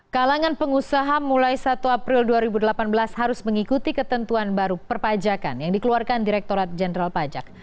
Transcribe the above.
kalangan pengusaha mulai satu april dua ribu delapan belas harus mengikuti ketentuan baru perpajakan yang dikeluarkan direkturat jenderal pajak